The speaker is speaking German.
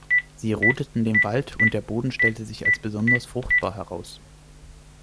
Sie rodeten den Wald und der Boden stellte sich als besonders fruchtbar heraus.